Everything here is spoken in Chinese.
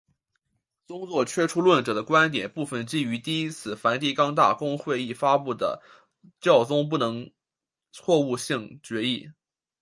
宗座缺出论者的观点部分基于第一次梵蒂冈大公会议发布的教宗不能错误性决议。